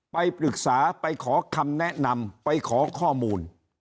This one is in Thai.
ไปปรึกษาไปขอคำแนะนำไปขอข้อมูล